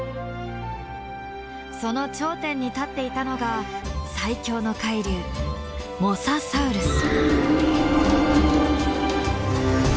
その頂点に立っていたのが最強の海竜モササウルス。